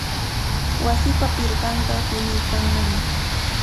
Wasipa pirqanqa tuniykannami.